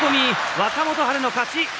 若元春の勝ち。